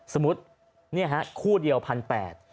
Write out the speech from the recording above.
สมมุติเนี่ยฮะคู่เดียวพันแปด